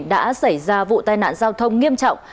đã xảy ra vụ tai nạn giao thông nghiêm trọng